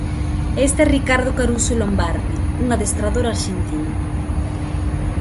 E este é Ricardo Caruso Lombardi, un adestrador arxentino.